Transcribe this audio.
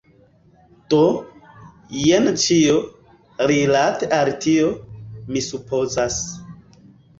Do, jen ĉio, rilate al tio. Mi supozas.